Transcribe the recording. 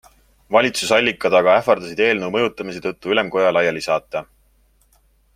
Valitsusallikad aga ähvardasid eelnõu mõjutamise tõttu ülemkoja laiali saata.